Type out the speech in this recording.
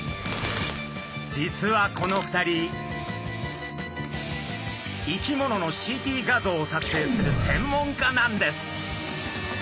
実はこの２人生き物のＣＴ画像を撮影する専門家なんです。